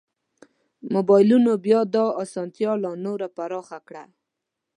مبایلونو بیا دا اسانتیا لا نوره پراخه کړه.